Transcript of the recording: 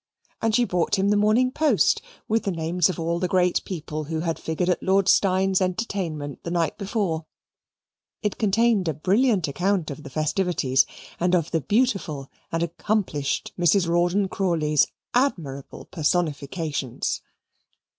And she brought him in the Morning Post, with the names of all the great people who had figured at Lord Steyne's entertainment the night before. It contained a brilliant account of the festivities and of the beautiful and accomplished Mrs. Rawdon Crawley's admirable personifications.